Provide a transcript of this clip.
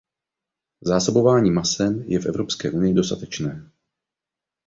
Zásobování masem je v Evropské unii dostatečné.